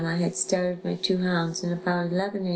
I had started my two hounds and about 11 A.